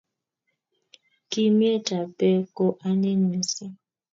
Kimnyet ap pek ko anyiny mising